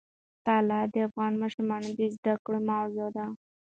طلا د افغان ماشومانو د زده کړې موضوع ده.